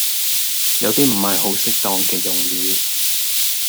有啲唔係好恰當嘅用語